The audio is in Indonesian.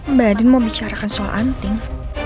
mbak andin mau bicarakan soal anting